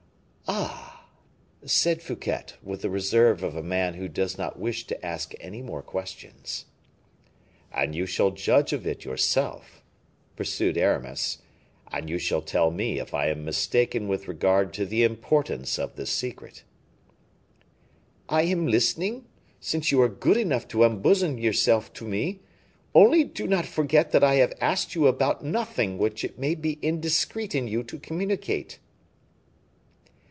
"Ah!" said Fouquet, with the reserve of a man who does not wish to ask any more questions. "And you shall judge of it yourself," pursued Aramis; "and you shall tell me if I am mistaken with regard to the importance of this secret." "I am listening, since you are good enough to unbosom yourself to me; only do not forget that I have asked you about nothing which it may be indiscreet in you to communicate."